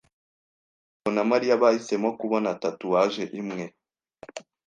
Mugabo na Mariya bahisemo kubona tatouage imwe.